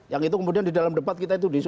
yang itu kemudian di dalam debat kita itu